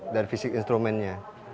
dari fisik instrumennya